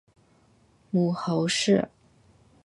母侯氏。